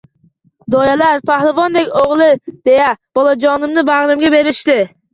Doyalar Pahlavondek o`g`il deya bolajonimni bag`rimga berishdi